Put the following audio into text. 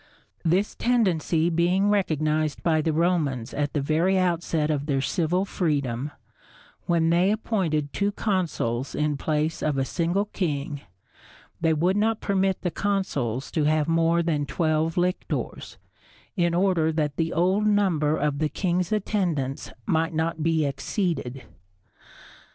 This tendency being recognized by the Romans at the very outset of their civil freedom, when they appointed two consuls in place of a single king, they would not permit the consuls to have more than twelve lictors, in order that the old number of the king's attendants might not be exceeded.